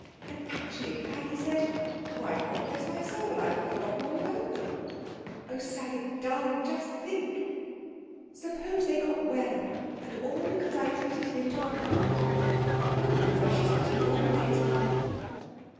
And actually Paggy said: 'Why, God bless my soul, I had forgotten all about them!' Oh, Sally darling, just think! Suppose they got well, and all because I treated him to a honeymoon! Oh, my gracious, what a long letter!"